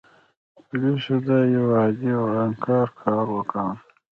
پولیسو دا یو عادي ورانکار کار وګاڼه.